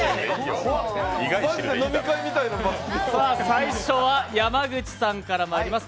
最初は山口さんからまいります。